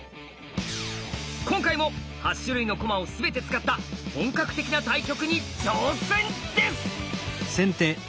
今回も８種類の駒を全て使った本格的な対局に挑戦です！